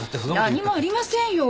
何もありませんよ。